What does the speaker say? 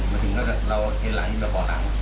แล้วถึงเราเห็นหลังนี้แบบหลัง